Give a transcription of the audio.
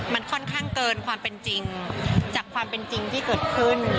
มันค่อนข้างเกินความเป็นจริงจากความเป็นจริงที่เกิดขึ้น